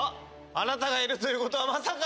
あなたがいるということはまさか。